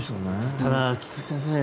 ただ菊地先生